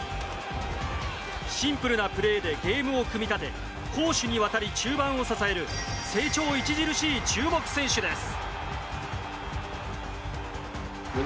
シンプルなプレーでゲームを組み立て攻守にわたり中盤を支える成長著しい注目選手です。